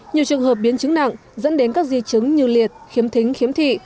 nhiều trường hợp biến chứng nặng dẫn đến các di chứng như liệt khiếm thính khiếm thị